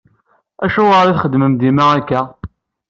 Acuɣer i txeddmem dima akka?